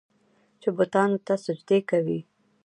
چې بوتانو ته سجدې کوي.